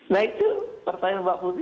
nah itu pertanyaan mbak putri